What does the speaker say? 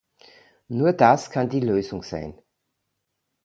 Nur das kann die Lösung sein!